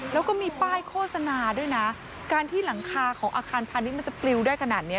แล้วก็มีป้ายโฆษณาด้วยนะการที่หลังคาของอาคารพาณิชย์มันจะปลิวได้ขนาดเนี้ย